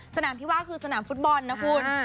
สนามที่ว่าคือสนามฟุตบอลนะคุณ